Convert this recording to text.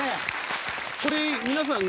これ皆さん